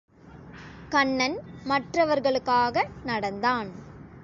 கண்ணன் மற்றவர்களுக்காக நடந்தான்.